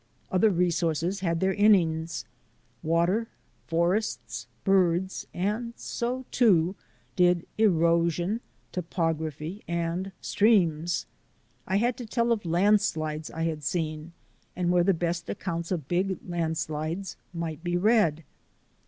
Other resources had their innings — water, forests, birds; and so, too, did erosion, topography, and streams. I had to tell of landslides I had seen and where the best accounts of big landslides might be read.